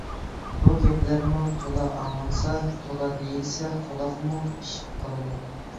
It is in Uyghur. بۇ گەپلەرمۇ تولا ئاڭلانسا، تولا دېيىلسە قۇلاقمۇ پىشىپ قالىدۇ.